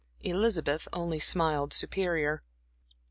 Elizabeth only smiled superior.